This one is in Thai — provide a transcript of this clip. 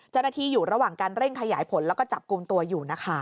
เจ้าหน้าที่อยู่ระหว่างการเร่งขยายผลแล้วก็จับกลุ่มตัวอยู่นะคะ